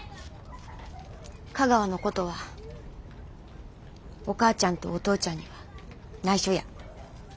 香川のことはお母ちゃんとお父ちゃんにはないしょや。